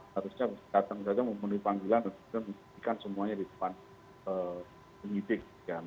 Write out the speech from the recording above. harusnya datang saja memenuhi panggilan dan kemudian semuanya di depan penyidik